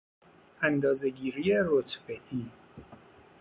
اندازهگیری رتبهای